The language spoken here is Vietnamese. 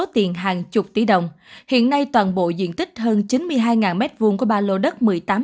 tiền hàng chục tỷ đồng hiện nay toàn bộ diện tích hơn chín mươi hai m hai của ba lô đất một mươi tám một mươi chín hai mươi